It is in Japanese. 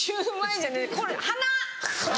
これ鼻！